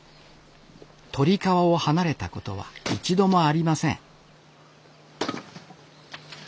鳥川を離れたことは一度もありません